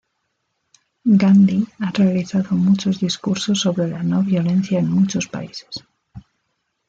Gandhi ha realizado muchos discursos sobre la no violencia en muchos países.